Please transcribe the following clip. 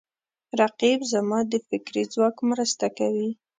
رقیب زما د فکري ځواک مرسته کوي